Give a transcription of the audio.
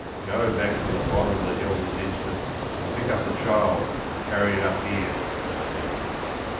"Go back to the bottom of the hill this instant, and pick up the child and carry it up here," he said.